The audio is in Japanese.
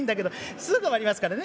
すぐ終わりますからね。